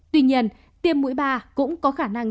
tuy nhiên tiêm mũi ba cũng có khả năng